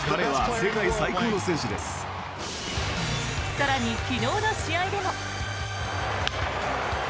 更に、昨日の試合でも。